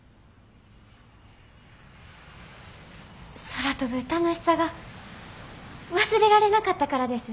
空飛ぶ楽しさが忘れられなかったからです。